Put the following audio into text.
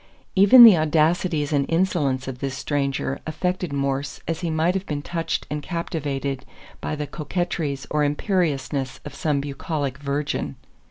Even the audacities and insolence of this stranger affected Morse as he might have been touched and captivated by the coquetries or imperiousness of some bucolic virgin.